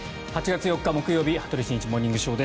８月４日、木曜日「羽鳥慎一モーニングショー」。